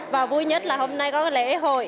và vui nhất là hôm nay có lễ hội